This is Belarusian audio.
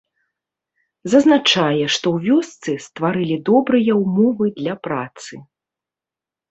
Зазначае, што ў вёсцы стварылі добрыя ўмовы для працы.